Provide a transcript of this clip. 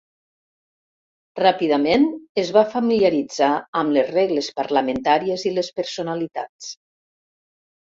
Ràpidament es va familiaritzar amb les regles parlamentàries i les personalitats.